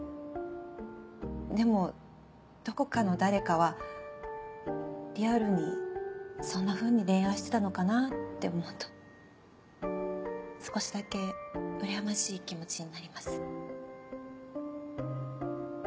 でもどこかの誰かはリアルにそんなふうに恋愛してたのかなって思うと少しだけうらやましい気持ちになります。